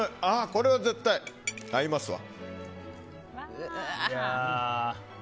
これは絶対、合いますわ。